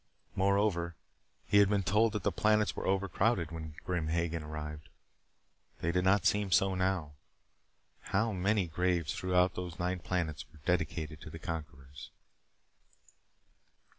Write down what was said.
Moreover, he had been told that the planets were over crowded when Grim Hagen arrived. They did not seem so now. How many graves throughout those nine planets were dedicated to the conquerors?